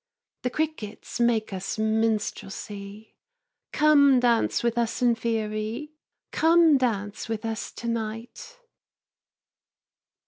The crickets make us minstrelsy Come dance with us in Faëry, Come dance with us to night.